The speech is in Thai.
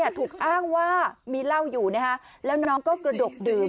ถูกอ้างว่ามีเหล้าอยู่แล้วน้องก็กระดกดื่ม